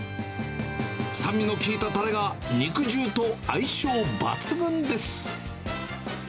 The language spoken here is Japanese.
酸味の効いたたれが肉汁と相性抜群です。